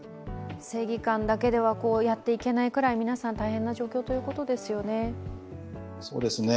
正義感だけではやっていけないくらい、皆さん大変な状況ということですね。